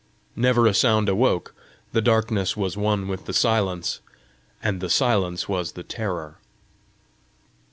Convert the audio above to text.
Never a sound awoke; the darkness was one with the silence, and the silence was the terror.